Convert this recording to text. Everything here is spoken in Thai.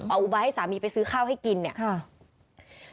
เอาอุบายให้สามีไปซื้อข้าวให้กินเนี่ยค่ะ